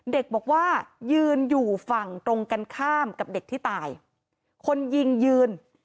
เด็กบอกว่ายืนอยู่ฝั่งตรงกันข้ามกับเด็กที่ตายคนยิงยืน